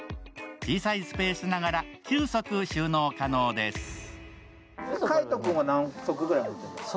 小さいスペースながら９足収納可能です。